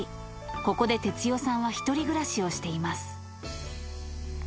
ここで哲代さんは１人暮らしをしています。